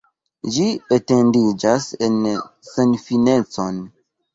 Ĝi etendiĝas en senfinecon.